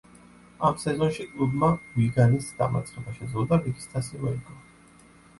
ამ სეზონში კლუბმა „უიგანის“ დამარცხება შეძლო და ლიგის თასი მოიგო.